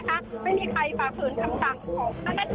กระต่ำร้อนกระต่าเรือนต่ำอยู่อย่างทุกท่านค่ะ